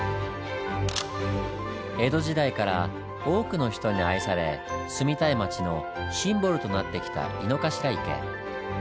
江戸時代から多くの人に愛され住みたい街のシンボルとなってきた井の頭池。